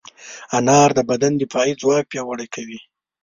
انار د بدن دفاعي ځواک پیاوړی کوي.